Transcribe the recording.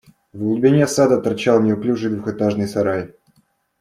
В глубине сада торчал неуклюжий двухэтажный сарай.